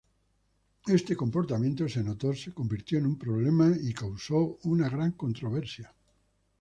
Este comportamiento se notó, se convirtió en un problema y causó una gran controversia.